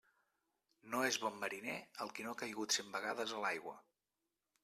No és bon mariner el qui no ha caigut cent vegades a l'aigua.